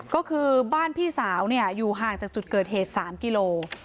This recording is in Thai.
ก็คือบ้านพี่สาวอยู่ห่างจากจุดเกิดเหตุ๓กิโล